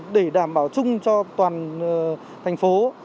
để đảm bảo chung cho toàn thành phố